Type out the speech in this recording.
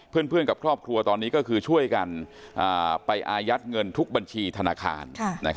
เพื่อนกับครอบครัวตอนนี้ก็คือช่วยกันไปอายัดเงินทุกบัญชีธนาคาร